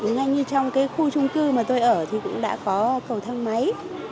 ngay như là trong cái khu chung cư mà tôi ở thì cũng đã có cầu thân máy